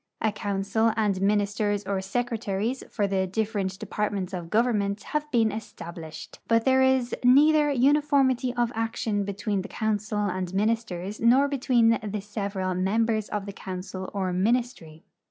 A council and ministers or secretaries for the different de[)art ments of government have been established, but there is neither uniformity of action betAveen the council and ministers nor betAveen the several members of the council or ministry.